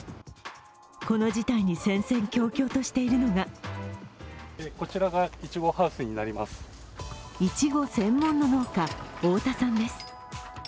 この事態に戦々恐々としているのがいちご専門の農家、太田さんです。